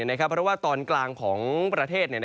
เพราะว่าตอนกลางของประเทศ